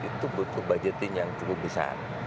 itu butuh budgeting yang cukup besar